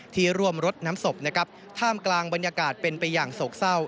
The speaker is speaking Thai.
ร่วมรดน้ำศพนะครับท่ามกลางบรรยากาศเป็นไปอย่างโศกเศร้า